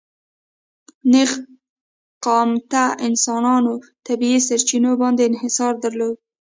نېغ قامته انسانانو طبیعي سرچینو باندې انحصار درلود.